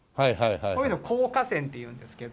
こういうのを効果線っていうんですけど。